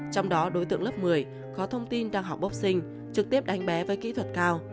trong đó đối tượng lớp một mươi có thông tin đang học boxi trực tiếp đánh bé với kỹ thuật cao